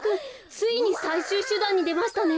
ついにさいしゅうしゅだんにでましたね。